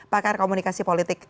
pakar komunikasi politik